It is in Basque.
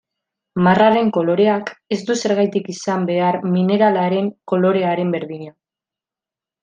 Marraren koloreak ez du zergatik izan behar mineralaren kolorearen berdina.